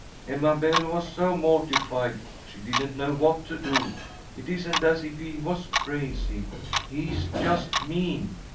Emma Belle was so mortified she didn't know what to do. It isn't as if he was crazy. He's just mean.